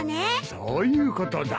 そういうことだ。